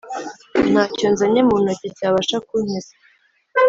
Ntacyo nzanye muntoke cyabasha kunkiza